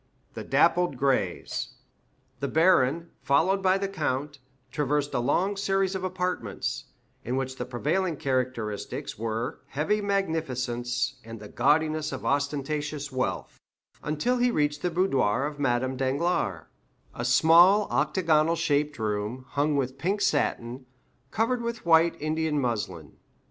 The Dappled Grays The baron, followed by the count, traversed a long series of apartments, in which the prevailing characteristics were heavy magnificence and the gaudiness of ostentatious wealth, until he reached the boudoir of Madame Danglars—a small octagonal shaped room, hung with pink satin, covered with white Indian muslin.